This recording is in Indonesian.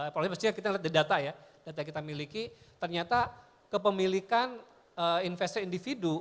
apalagi kita lihat di data ya data yang kita miliki ternyata kepemilikan investor individu